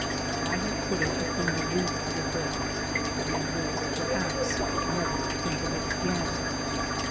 I have put it be tween the leaves of a book and will perhaps never think of it again.